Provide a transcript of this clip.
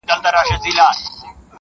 • نه مو آرام نه شین اسمان ولیدی -